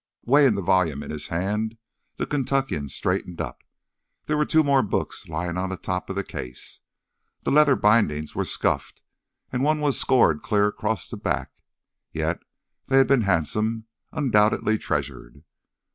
Weighing the volume in his hand, the Kentuckian straightened up. There were two more books lying on the top of the case. The leather bindings were scuffed and one was scored clear across the back, yet they had been handsome, undoubtedly treasured.